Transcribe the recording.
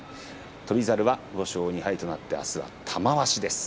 翔猿は５勝２敗となってあすは玉鷲です。